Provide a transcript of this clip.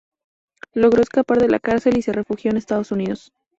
Logró escapar de la cárcel y se refugió en Estados Unidos.